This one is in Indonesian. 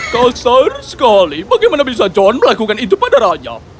kasar sekali bagaimana bisa john melakukan itu pada rajab